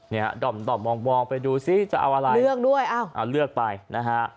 เนี่ยด่อมด่อมมองไปดูซิจะเอาอะไรเลือกด้วยอ้าวเอาเลือกไปนะฮะ